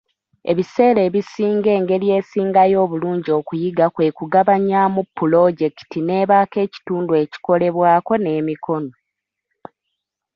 Ebiseera ebisinga engeri esingayo obulungi okuyiga kwe kugabanyaamu pulojekiti n'ebaako ekitundu ekikolebwako n'emikono.